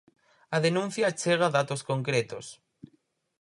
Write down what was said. A denuncia achega datos concretos.